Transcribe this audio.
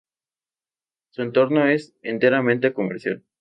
Su entorno es enteramente comercial.